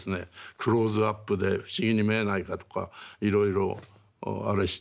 クローズアップで不思議に見えないかとかいろいろあれして。